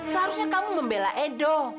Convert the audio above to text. seharusnya kamu membela edo